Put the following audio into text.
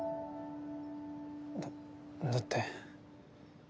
だだって。